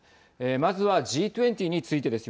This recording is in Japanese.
まずはＧ２０についてです。